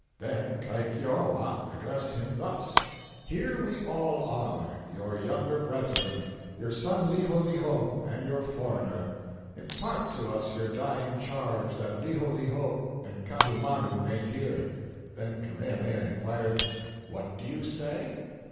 Then Kaikioewa addressed him thus: 'Here we all are, your younger brethren, your son Liholiho and your foreigner; impart to us your dying charge, that Liholiho and Kaahumanu may hear.' Then Kamehameha inquired, 'What do you say?